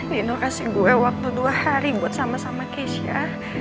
nino kasih gue waktu dua hari buat sama sama keisha